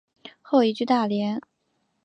后移居大连。